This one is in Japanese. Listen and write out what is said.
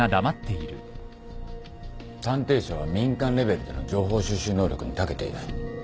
探偵社は民間レベルでの情報収集能力にたけている。